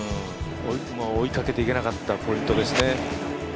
追いかけていけなかったポイントですね。